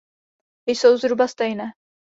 Jsou zhruba stejné.